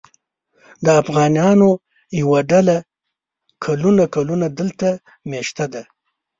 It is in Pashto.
د افغانانو یوه ډله کلونه کلونه دلته مېشته ده.